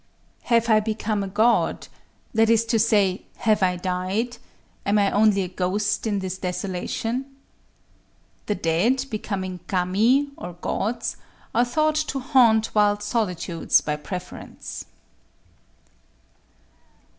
_ "Have I become a god?"—that is to say, "Have I died?—am I only a ghost in this desolation?" The dead, becoming kami or gods, are thought to haunt wild solitudes by preference.